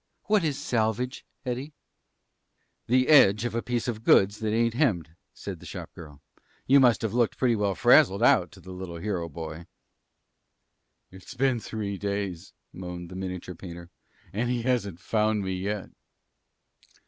What is 'salvage,' Hetty?" "The edge of a piece of goods that ain't hemmed," said the shop girl. "You must have looked pretty well frazzled out to the little hero boy." "It's been three days," moaned the miniature painter, "and he hasn't found me yet."